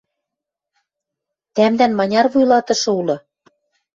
— Тӓмдӓн маняр вуйлатышы улы?